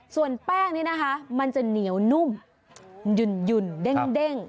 ส่วนแป้งนี่นะคะมันจะเหนียวนุ่มหยุ่นเด้ง